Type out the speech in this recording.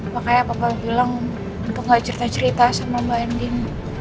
makanya bapak bilang untuk gak cerita cerita sama mbak ending